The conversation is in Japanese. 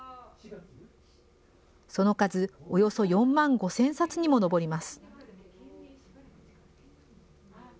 その数およそ４万５０００冊にも上ります。